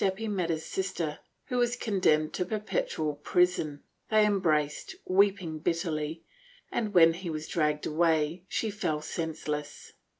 440 PROTESTANTISM [Book VIII he met his sister, who was condemned to perpetual prison; they embraced, weeping bitterly and, when he was dragged away, she fell senseless.